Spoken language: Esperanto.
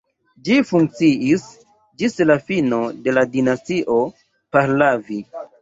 Ĝi funkciis ĝis la fino de la dinastio Pahlavi.